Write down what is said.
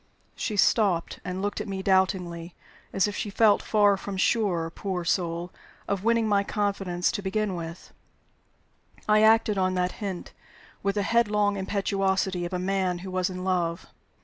She stopped, and looked at me doubtingly, as if she felt far from sure, poor soul, of winning my confidence to begin with. I acted on that hint, with the headlong impetuosity of a man who was in love.